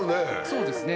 そうですね